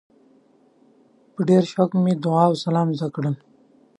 په ډېر شوق مې دعا او سلام زده کړل.